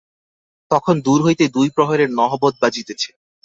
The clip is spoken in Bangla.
তখন দূর হইতে দুই প্রহরের নহবত বাজিতেছে।